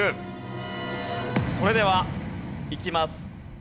それではいきます。